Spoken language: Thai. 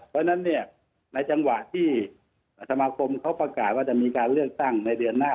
เพราะฉะนั้นเนี่ยในจังหวะที่สมาคมเขาประกาศว่าจะมีการเลือกตั้งในเดือนหน้า